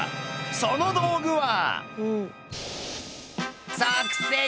その道具は。